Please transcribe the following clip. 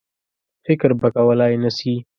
فکر به کولای نه سي.